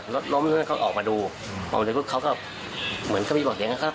รถล้มเขาออกมาดูเขาก็เขาก็เหมือนเขาพี่บอกเสียงนะครับ